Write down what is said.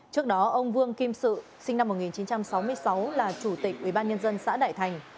trước đó ông vương kim sự sinh năm một nghìn chín trăm sáu mươi sáu là chủ tịch ubnd xã đại thành